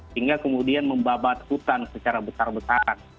hingga kemudian membabat hutan secara besar besaran